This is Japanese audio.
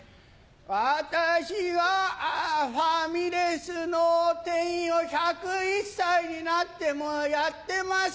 私はファミレスの店員を１０１歳になってもやってます。